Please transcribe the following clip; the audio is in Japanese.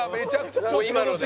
今ので。